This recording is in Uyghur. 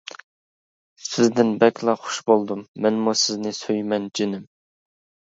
سىزدىن بەكلا خۇش بولدۇم، مەنمۇ سىزنى سۆيىمەن جېنىم!